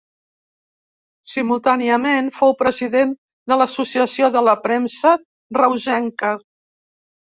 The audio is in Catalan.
Simultàniament, fou president de l'Associació de la Premsa Reusenca.